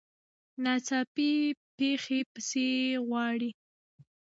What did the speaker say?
ناڅاپي پېښې پیسې غواړي.